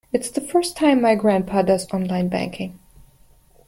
It's the first time my grandpa does online banking.